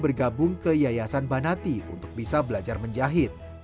bergabung ke yayasan banati untuk bisa belajar menjahit